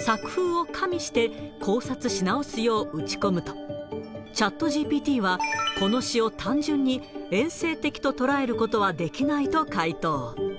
作風を加味して考察し直すよう打ち込むと、チャットＧＰＴは、この詩を単純にえん世的と捉えることはできないと回答。